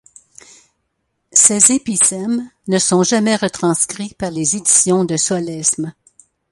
Ces épisèmes ne sont jamais retranscrits par les éditions de Solesme.